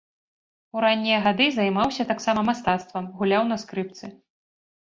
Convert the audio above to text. У раннія гады займаўся таксама мастацтвам, гуляў на скрыпцы.